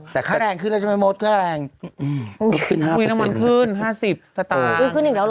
แต่ค่าแรงขึ้นแล้วใช่ไหมโมตค่าแรง๕๐ต่างไปขึ้นอีกแล้วหรอ